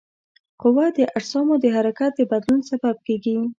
قوه د اجسامو د حرکت د بدلون سبب کیږي.